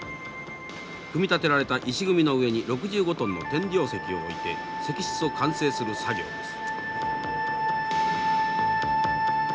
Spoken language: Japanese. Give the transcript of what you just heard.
組み立てられた石組みの上に６５トンの天井石を置いて石室を完成する作業です。